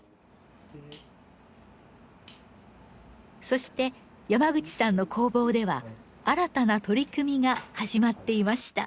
そして山口さんの工房では新たな取り組みが始まっていました。